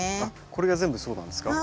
これが全部そうなんですか？